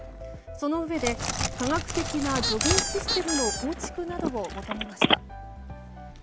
そのうえで科学的な助言システムの構築などを求めました。